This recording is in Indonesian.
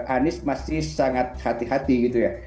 anies masih sangat hati hati gitu ya